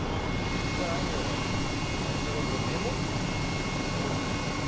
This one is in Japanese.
そしたらあいみょんはそれをメモってて。